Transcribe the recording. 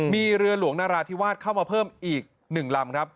มีเรือหลวงนรทีวาสพรเข้ามาเพิ่มอีกหนึ่งลำ